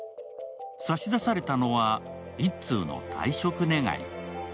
差し出されたのは１通の退職願。